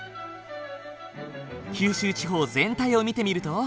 九州地方全体を見てみると。